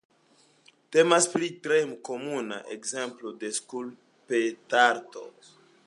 Temas pri tre komuna ekzemplo de skulptarto.